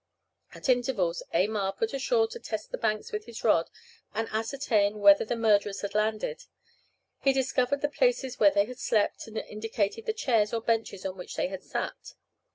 At intervals Aymar was put ashore to test the banks with his rod, and ascertain whether the murderers had landed. He discovered the places where they had slept, and indicated the chairs or benches on which they had sat.